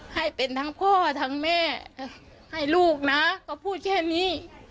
ให้เป็นทั้งพ่อทั้งแม่ให้ลูกนะก็พูดแค่นี้